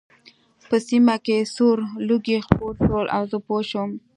په سیمه کې سور لوګی خپور شو او زه پوه شوم